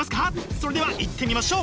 それではいってみましょう！